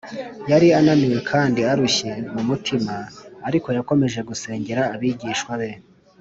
yari ananiwe kandi arushye mu mutima, ariko yakomeje gusengera abigishwa be